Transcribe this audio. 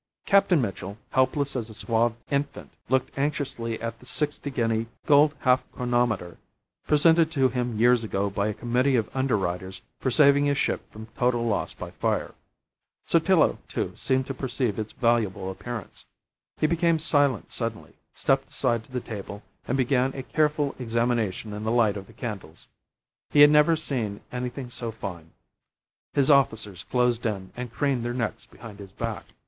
Captain Mitchell, helpless as a swathed infant, looked anxiously at the sixty guinea gold half chronometer, presented to him years ago by a Committee of Underwriters for saving a ship from total loss by fire. Sotillo, too, seemed to perceive its valuable appearance. He became silent suddenly, stepped aside to the table, and began a careful examination in the light of the candles. He had never seen anything so fine. His officers closed in and craned their necks behind his back.